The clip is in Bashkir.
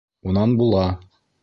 Унан була!